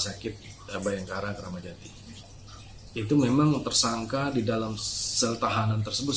sakit bayangkara keramajati itu memang tersangka di dalam sel tahanan tersebut